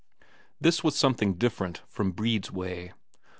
This was something different from Brede's way.